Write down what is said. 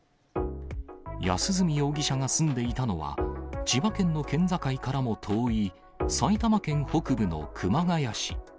安栖容疑者が住んでいたのは、千葉県の県境からも遠い、埼玉県北部の熊谷市。